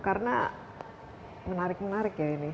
karena menarik menarik ya ini